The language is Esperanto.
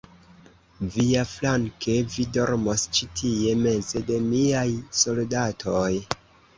Viaflanke, vi dormos ĉi tie, meze de miaj soldatoj.